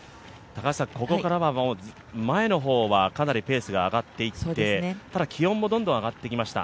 ここからは前の方はかなりペースが上がっていってただ気温もどんどん上がってきました。